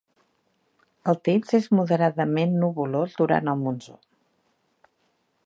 El temps és moderadament nuvolós durant el monsó.